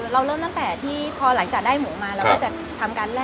เราเริ่มตั้งแต่ที่พอหลังจากได้หมูมาเราก็จะทำการแร่